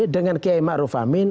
dengan kiai maruf amin